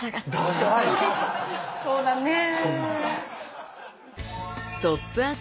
そうだねえ。